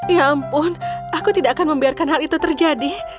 ya ampun aku tidak akan membiarkan hal itu terjadi